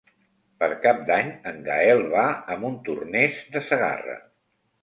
Per Cap d'Any en Gaël va a Montornès de Segarra.